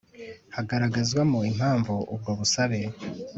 Hakagaragazwamo impamvu ubwo busabe